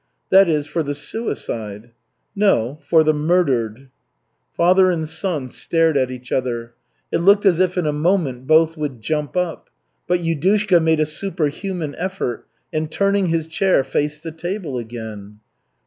"That is, for the suicide." "No, for the murdered." Father and son stared at each other. It looked as if in a moment both would jump up. But Yudushka made a superhuman effort and, turning his chair, faced the table again.